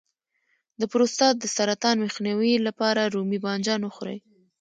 د پروستات د سرطان مخنیوي لپاره رومي بانجان وخورئ